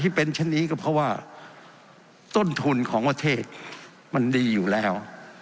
ที่เป็นเช่นนี้ก็เพราะว่าต้นทุนของประเทศมันดีอยู่แล้ว